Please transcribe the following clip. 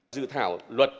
dự thảo luật